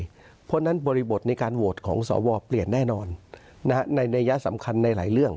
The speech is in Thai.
เพราะฉะนั้นบริบทในการโหวตของสวเปลี่ยนแน่นอนในนัยยะสำคัญในหลายเรื่อง